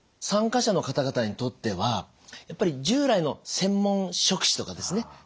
参加者の方々にとってはやっぱり従来の専門職種とかですね